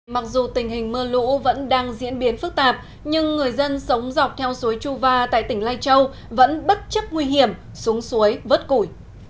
mặc dù tình hình mưa lũ vẫn đang diễn biến phức tạp nhưng người dân sống dọc theo suối chuva tại tỉnh lai châu vẫn bất chấp nguy hiểm xuống suối vớt củi